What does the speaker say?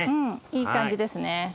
いい感じですね。